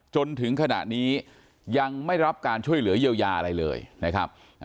จนถึงขณะนี้ยังไม่รับการช่วยเหลือเยียวยาอะไรเลยนะครับ